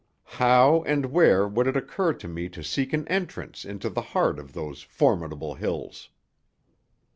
How and where would it occur to me to seek an entrance into the heart of those formidable hills?